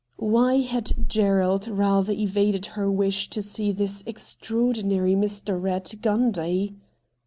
Why had Gerald rather evaded her wish to see this extraordinary Mr. Eatt Gundy?